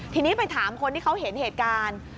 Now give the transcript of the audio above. ทีนี้ไปถามคนที่เขาเห็นเหตุการณ์